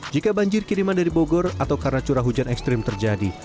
jika banjir kiriman dari bogor atau karena curah hujan ekstrim terjadi